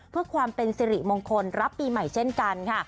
เพื่อความเป็นสิริมงคลรับปีใหม่เช่นกันค่ะ